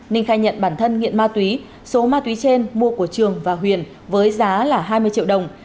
ninh khai nhận bản thân nghiện ma túy số ma túy trên mua của trường và huyền với giá là hai mươi triệu đồng